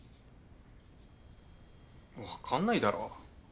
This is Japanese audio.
分かんないだろ。